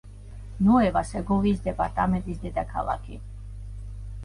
ნუევა სეგოვიის დეპარტამენტის დედაქალაქი.